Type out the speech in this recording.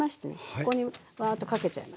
ここにわあっとかけちゃいますね。